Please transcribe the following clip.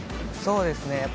「そうですね。